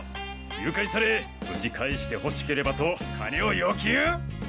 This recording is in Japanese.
誘拐され無事返してほしければと金を要求！？